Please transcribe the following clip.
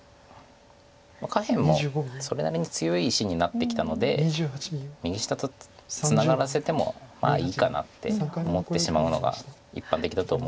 下辺もそれなりに強い石になってきたので右下とツナがらせてもまあいいかなって思ってしまうのが一般的だと思うんですけど。